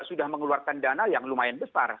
sudah mengeluarkan dana yang lumayan besar